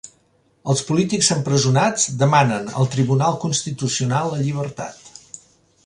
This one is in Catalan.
Els polítics empresonats demanen al Tribunal Constitucional la llibertat